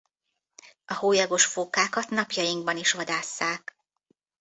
A hólyagos fókákat napjainkban is vadásszák.